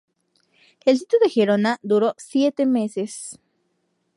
El sitio de Gerona duró siete meses.